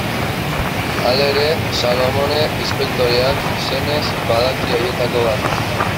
Halere, Salamone inspektoreak, senez, badaki haietako bat.